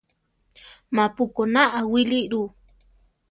Ma-pu koná aʼwíli ru.